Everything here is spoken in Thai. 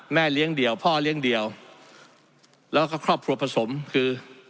เลี้ยงเดี่ยวพ่อเลี้ยงเดี่ยวแล้วก็ครอบครัวผสมคือ